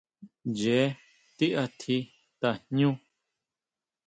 Ncheé ti atji tajñu.